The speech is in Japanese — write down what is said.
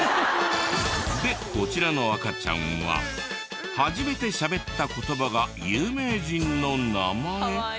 でこちらの赤ちゃんは初めてしゃべった言葉が有名人の名前？